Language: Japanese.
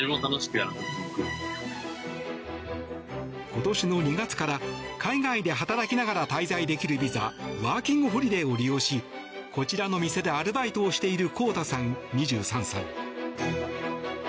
今年の２月から海外で働きながら滞在できるビザワーキングホリデーを利用しこちらの店でアルバイトしているこうたさん、２３歳。